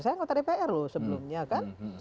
saya anggota dpr loh sebelumnya kan